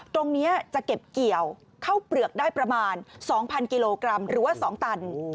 ตรงนี้จะเก็บเกี่ยวข้าวเปลือกได้ประมาณ๒๐๐กิโลกรัมหรือว่า๒ตัน